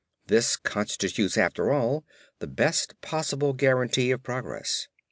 This constitutes after all the best possible guarantee of progress.